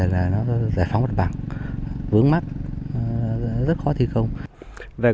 vấn đề là giải phóng vật bản vấn đề là giải phóng vật bản vấn đề là giải phóng vật bản vấn đề là giải phóng vật bản